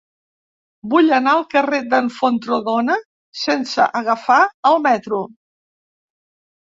Vull anar al carrer d'en Fontrodona sense agafar el metro.